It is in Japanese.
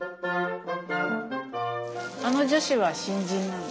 あの女子は新人なの？